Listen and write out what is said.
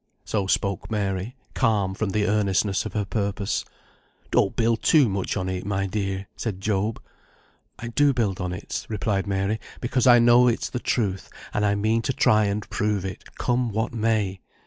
So spoke Mary, calm, from the earnestness of her purpose. "Don't build too much on it, my dear," said Job. "I do build on it," replied Mary, "because I know it's the truth, and I mean to try and prove it, come what may.